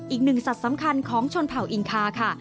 สัตว์สำคัญของชนเผ่าอินคาค่ะ